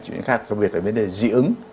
chỉ có việc ở vấn đề dị ứng